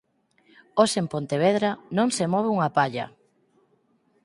Hoxe en Pontevedra, non se move unha palla!